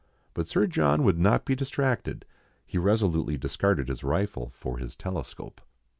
But Sir John would not be distracted, he resolutely discarded his rifle for his telescope.